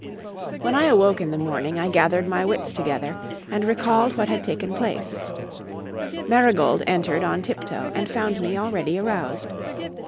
When I awoke in the morning I gathered my wits together and recalled what had taken place. Marigold entered on tiptoe and found me already aroused.